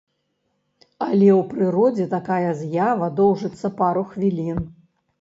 Але ў прыродзе такая з'ява доўжыцца пару хвілін.